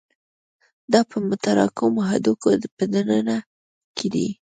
دا په متراکمو هډوکو په دننه کې دي.